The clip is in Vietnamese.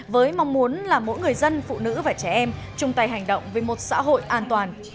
với mong muốn là mỗi người dân phụ nữ và trẻ em chung tay hành động với một xã hội an toàn